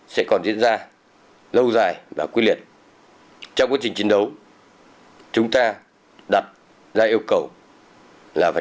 sẽ còn diễn ra lâu dài và quyết liệt trong quá trình chiến đấu chúng ta đặt ra yêu cầu là phải